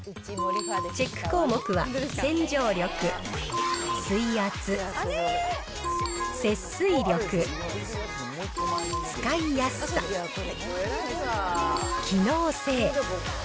チェック項目は洗浄力、水圧、節水力、使いやすさ、機能性。